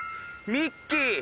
ミッキー。